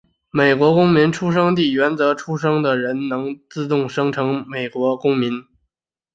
美国公民出生地原则出生的人都能自动成为美国公民。